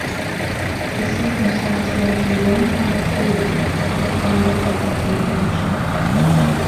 This circumstance led to a long fight between them about the priority of the invention.